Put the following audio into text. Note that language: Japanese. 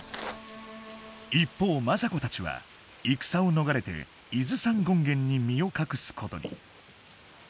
一方政子たちは戦を逃れて伊豆山権現に身を隠すことに。